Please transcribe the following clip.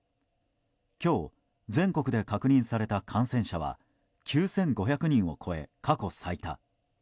今日全国で確認された感染者は９５００人を超え過去最多。